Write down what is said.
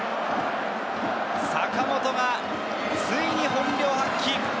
坂本が、ついに本領発揮！